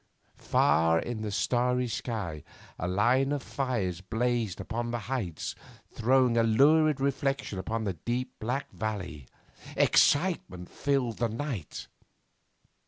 Far in the starry sky a line of fires blazed upon the heights, throwing a lurid reflection above the deep black valley. Excitement filled the night.